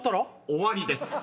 ［終わりです。